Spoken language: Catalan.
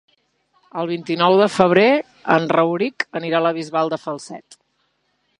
El vint-i-nou de febrer en Rauric anirà a la Bisbal de Falset.